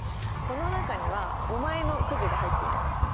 この中には５枚のくじが入っています。